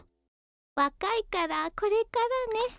若いからこれからね。